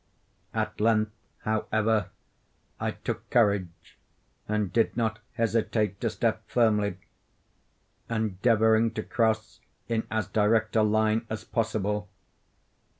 At length, however, I took courage, and did not hesitate to step firmly; endeavoring to cross in as direct a line as possible.